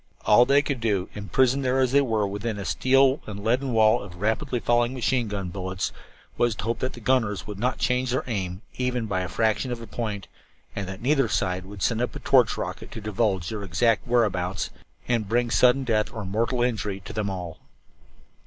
All that they could do, imprisoned there as they were within a steel and leaden wall of rapidly falling machine gun bullets, was to hope that the gunners would not change their aim, even by the fraction of a point, and that neither side would send up a torch rocket to divulge their exact whereabouts and bring sudden death or mortal injury to them all.